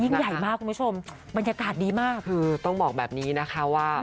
ใหญ่มากคุณผู้ชมบรรยากาศดีมากคือต้องบอกแบบนี้นะคะว่า